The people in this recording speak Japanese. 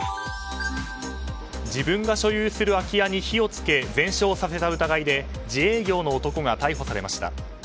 自分が所有する空き家に火を付け全焼させた疑いで自営業の男が逮捕されました。